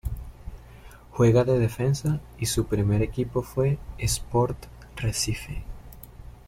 Juega de defensa y su primer equipo fue Sport Recife.